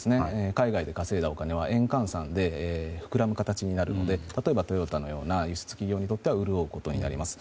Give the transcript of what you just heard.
海外で稼いだお金は円換算で膨らむ形になるので例えばトヨタのような輸出企業は潤うことになります。